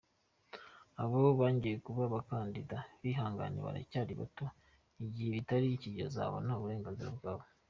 Abo bangiye kuba abakandida bihangane baracyari bato, igihe kitari iki bazabona uburenganzira bwabo.